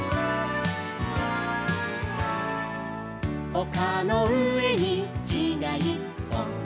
「おかのうえにきがいっぽん」